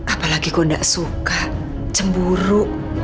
apalagi kau enggak suka cemburu